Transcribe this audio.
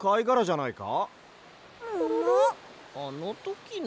あのときの？